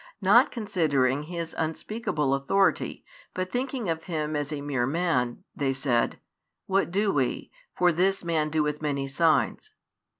Not considering His unspeakable authority, but thinking of Him as a mere man, they said: What do we? for this Man doeth many signs.